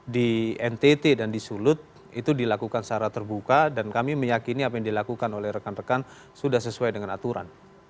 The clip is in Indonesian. di ntt dan di sulut itu dilakukan secara terbuka dan kami meyakini apa yang dilakukan oleh rekan rekan sudah sesuai dengan aturan